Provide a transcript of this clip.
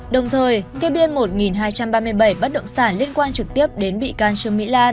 đồng thời kê biên một hai trăm ba mươi bảy bất động sản liên quan trực tiếp đến bị can trương mỹ lan